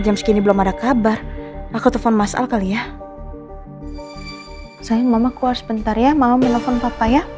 jam segini belum ada kabar aku telfon masal kali ya sayang mama kuar sebentar ya mau menelepon papa ya